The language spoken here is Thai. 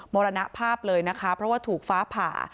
มรณภาพเลยนะคะเพราะว่าถูกฟ้าผ่า